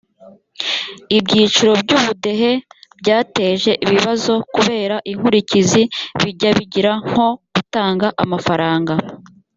ibyiciro by ubudehe byateje ibibazo kubera inkurikizi bijya bigira nko gutanga amafaranga